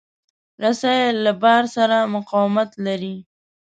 رسۍ له بار سره مقاومت لري.